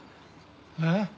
えっ？